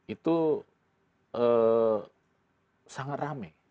itu sangat rame